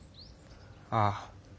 ああ。